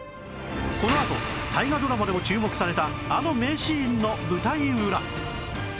このあと大河ドラマでも注目されたあの名シーンの舞台裏